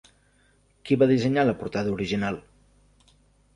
Qui va dissenyar la portada original?